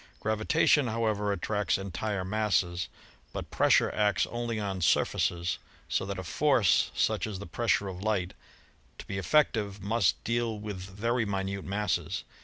Gravitation, however, attracts entire masses, but pressure acts only on surfaces, so that a force such as the pressure of light, to be effective, must deal with very minute masses.